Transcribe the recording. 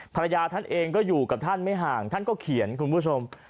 ภรรยาท่านเองก็อยู่กับท่านไม่ห่างท่านก็เขียนคุณผู้ชม